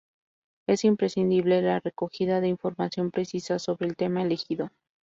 Es imprescindible la recogida de información precisa sobre el tema elegido.